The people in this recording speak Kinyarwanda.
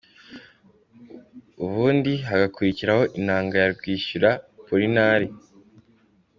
Ubundi hagakurikiraho inanga ya Rwishyura Polinari.